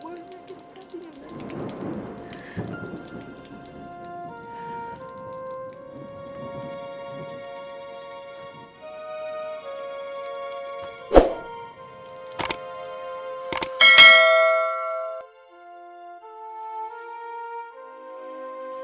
mbak rere juga